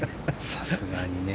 さすがにね。